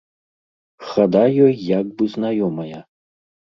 Хада ёй як бы знаёмая.